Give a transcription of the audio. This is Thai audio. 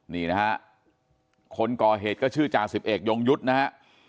นี่นะฮะคนก่อเหตุก็ชื่อจ่าสิบเอกยงยุทธ์นะฮะ